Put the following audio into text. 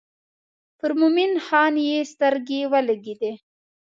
پر مومن خان یې سترګې ولګېدې.